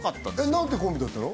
何てコンビだったの？